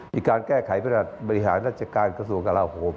มีการแก้ไขประหลาดบริหารรัชการกระทรวงกระเราหม